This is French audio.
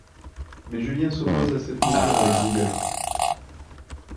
Mais Julien s'oppose à cette mesure avec vigueur.